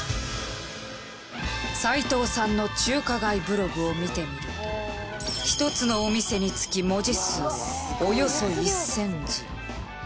齋藤さんの中華街ブログを見てみると１つのお店につき文字数はおよそ１０００字。